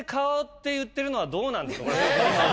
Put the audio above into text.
言ってるのはどうなんでしょう。